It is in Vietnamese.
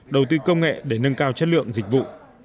đầu tư công nghệ để nâng cao chất lượng dịch vụ